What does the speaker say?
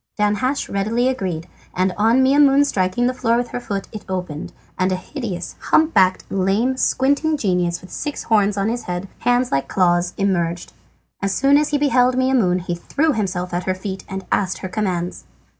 Danhasch readily agreed, and on Maimoune striking the floor with her foot it opened, and a hideous, hump backed, lame, squinting genius, with six horns on his head, hands like claws, emerged. As soon as he beheld Maimoune he threw himself at her feet and asked her commands.